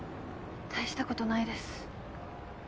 大したことないです。